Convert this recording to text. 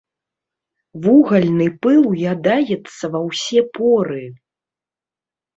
Вугальны пыл ўядаецца ва ўсе поры.